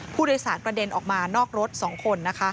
ผู้โดยสารกระเด็นออกมานอกรถ๒คน